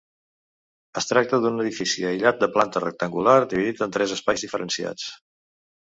Es tracta d'un edifici aïllat de planta rectangular dividit en tres espais diferenciats.